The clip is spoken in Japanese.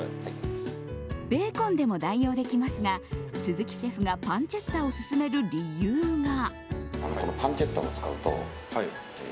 ベーコンでも代用できますが鈴木シェフがパンチェッタを薦める理由が。